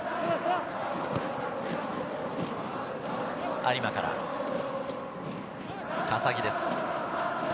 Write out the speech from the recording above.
有馬から笠置です。